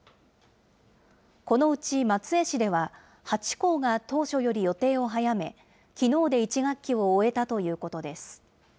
このうち、松江市では８校が当初より予定を早め、きのうで１学期を終えたということです。